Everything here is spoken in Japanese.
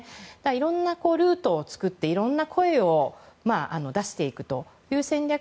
いろんなルートを作っていろんな声を出していくという戦略。